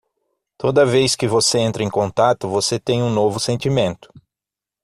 Toda vez que você entra em contato, você tem um novo sentimento.